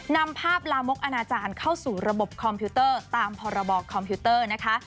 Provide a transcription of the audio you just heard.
นำภาพลามกอนาจารย์เข้าสู่ระบบคอมพิวเตอร์ตามพรบคอมพิวเตอร์นะคะ